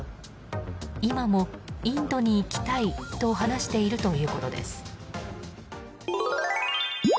今もインドに行きたいと話しているということです。